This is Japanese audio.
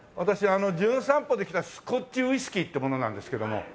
あの『じゅん散歩』で来たスコッチウイスキーって者なんですけども。